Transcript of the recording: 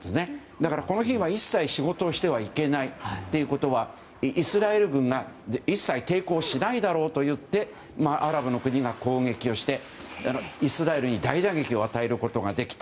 だから、この日は一切仕事をしてはいけない。ということはイスラエル軍が一切抵抗をしないだろうといってアラブの国が攻撃をしてイスラエルに大打撃を与えることができた。